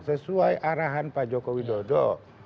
sesuai arahan pak jokowi dodo